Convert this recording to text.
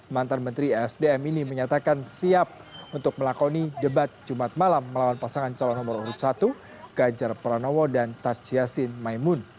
mantan menteri esdm ini menyatakan siap untuk melakoni debat jumat malam melawan pasangan calon nomor urut satu ganjar pranowo dan tadj yassin maimun